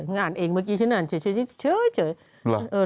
อ่านเองเมื่อกี้ฉันอ่านเฉย